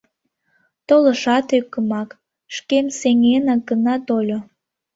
Толашат ӧкымак, шкем сеҥенак гына тольо.